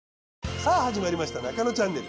さあ始まりました『ナカノチャンネル』